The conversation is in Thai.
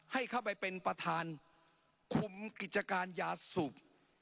ให้เข้าไปเป็นประธานคุมกิจการยาสูบ